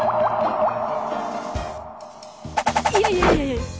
いやいやいや。